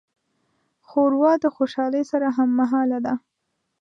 ښوروا د خوشالۍ سره هممهاله ده.